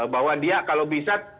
bahwa dia kalau bisa